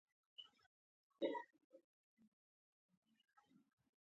وروسته له خولې داسې ټکي راووتل.